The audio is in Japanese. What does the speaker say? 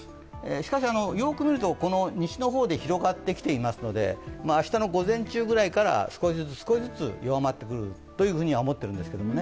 しかしよく見ると西の方で広がってきていますので明日の午前中くらいから少しずつ弱まってくるとは思っているんですけどね。